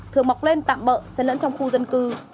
thường mọc lên tạm bỡ xe lẫn trong khu dân cư